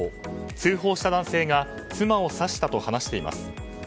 通報した男性が妻を刺したと話しています。